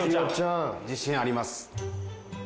自信あります。